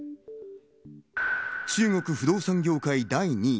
中国不動産業界第２位。